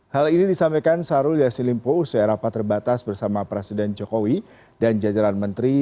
hal ini disampaikan sarul yassin limpo usai rapat terbatas bersama presiden jokowi dan jajaran menteri